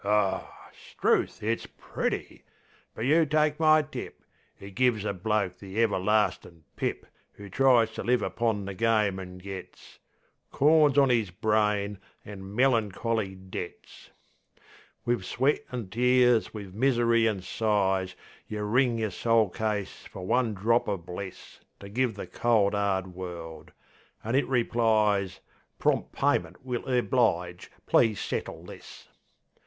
Aw, 'Struth! it's pretty; but you take my tip, It gives a bloke the everlastin' pip 'Oo tries to live upon the game and gets. ... Corns on 'is brain an' melancholy debts! Wiv sweat an' tears, wiv misery an' sighs, Yeh wring yer soul case fer one drop of bliss To give the cold, 'ard world; an' it replies, "Prompt payment will erblige. Please settle this."